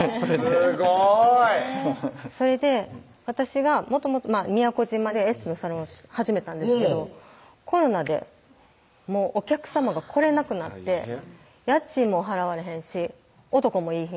すごい！それで私がもともと宮古島でエステのサロンを始めたんですけどコロナでもうお客さまが来れなくなって家賃も払われへんし男もいぃ